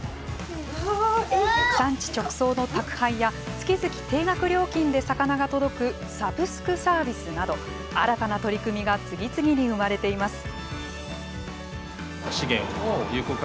産地直送の宅配や月々定額料金で魚が届くサブスクサービスなど新たな取り組みが次々に生まれています。